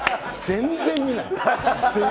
全然見ないよ。